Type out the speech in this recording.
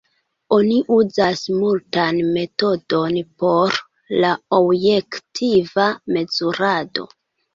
Oni uzas multan metodon por la objektiva mezurado.